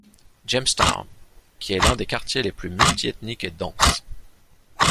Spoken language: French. Jamestown, qui est l'un des quartiers les plus multi-ethnique et dense.